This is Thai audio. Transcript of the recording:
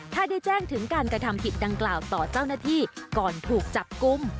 ถ้าได้แจ้งถึงการกระทำผิดดังกล่าวต่อเจ้าหน้าที่ก่อนถูกจับกลุ่ม